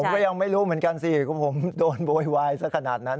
ผมก็ยังไม่รู้เหมือนกันสิว่าผมโดนโวยวายสักขนาดนั้น